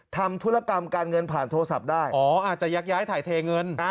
ทำธุรกรรมการเงินผ่านโทรศัพท์ได้อ๋ออาจจะยักย้ายถ่ายเทเงิน